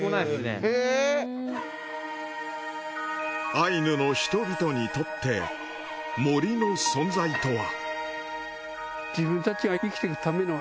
アイヌの人々にとって森の存在とは。